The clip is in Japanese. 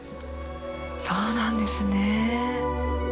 そうなんですね。